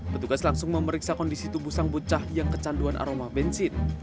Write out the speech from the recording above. petugas langsung memeriksa kondisi tubuh sang bocah yang kecanduan aroma bensin